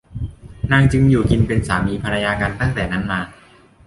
นางจึงอยู่กินเป็นสามีภรรยากันตั้งแต่นั้นมา